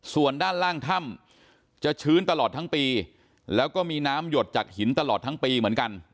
ส่วนด้านล่างถ้ำจะชื้นตลอดทั้งปีแล้วก็มีน้ำหยดจากหินตลอดทั้งปีเหมือนกัน